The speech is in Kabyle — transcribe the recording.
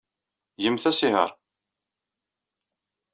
Gemt asihaṛ.